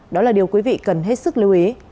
đó là điều quý vị cần hết sức lưu ý